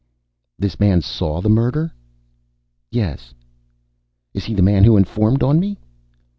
"This man saw the murder?" "Yes." "Is he the man who informed on me?"